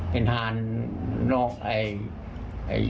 เป็นท่านจุดดายก็มันทำได้